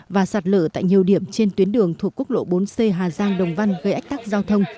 và sạt lở tại nhiều điểm trên tuyến đường thuộc quốc lộ bốn c hà giang đồng văn gây ách tắc giao thông